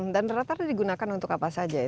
dan rata rata digunakan untuk apa saja